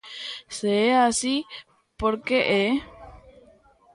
Se é así, por que é?